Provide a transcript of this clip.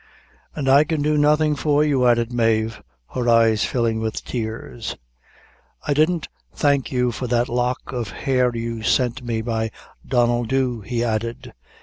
"And I can do nothing for you!" added Mave, her eyes filling with tears. "I didn't thank you for that lock of hair you sent me by Donnel Dhu," he added.